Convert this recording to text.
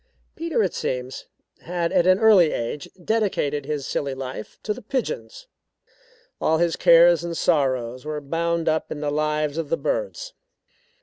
Peter, it seems, had at an early age dedicated his silly life to the pigeons. All his cares and sorrows were bound up in the lives of the birds.